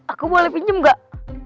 aku boleh pinjam gak